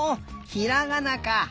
ひらがなか！